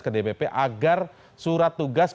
ke dpp agar surat tugas